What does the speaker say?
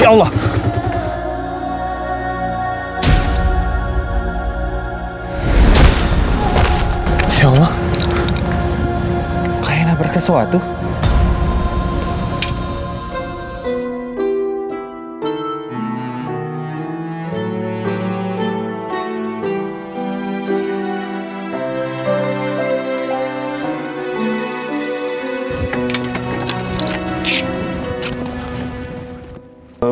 kalau memang cara buning seperti ini